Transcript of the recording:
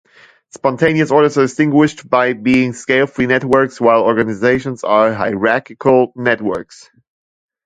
Spontaneous orders are distinguished by being scale-free networks, while organizations are hierarchical networks.